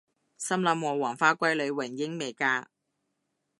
心諗我黃花閨女雲英未嫁！？